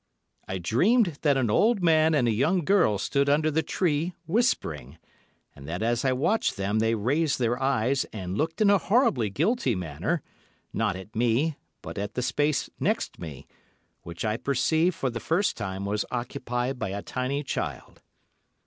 I dreamed that an old man and a young girl stood under the tree, whispering, and that as I watched them they raised their eyes, and looked in a horribly guilty manner, not at me, but at the space next me, which I perceived, for the first time, was occupied by a tiny child.